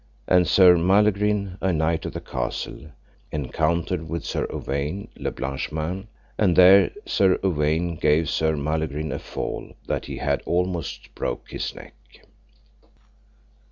And Sir Malegrine, a knight of the castle, encountered with Sir Uwaine le Blanchemains, and there Sir Uwaine gave Sir Malegrine a fall, that he had almost broke his neck.